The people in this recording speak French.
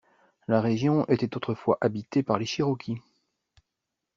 La région était autrefois habitée par les Cherokees.